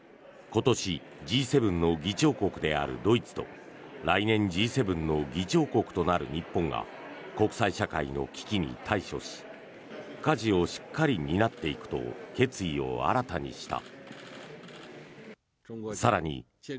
今年、Ｇ７の議長国であるドイツと来年、Ｇ７の議長国となる日本が国際社会の危機に対処しかじをしっかり担っていくと決意を新たにした。